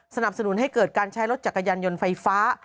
สนับสนุนให้เกิดการใช้รถจักรยานยนต์ไฟฟ้า